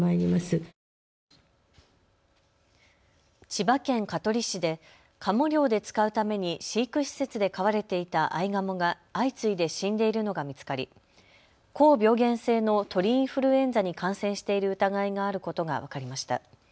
千葉県香取市で、かも猟で使うために飼育施設で飼われていたあいがもが相次いで死んでいるのが見つかり高病原性の鳥インフルエンザに感染している疑いがあることが分かりました。